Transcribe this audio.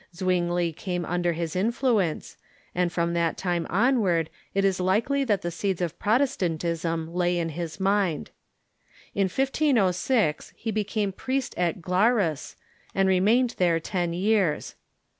Zwingli came under his influence, and from that time onward it is likely that the seeds of Protestantism lay in his mind. In 1506 he became priest in Glarus, and remained there ten years.